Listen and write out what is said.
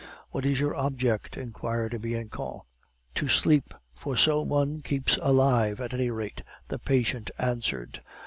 "What is your object?" inquired Bianchon. "To sleep; for so one keeps alive, at any rate," the patient answered.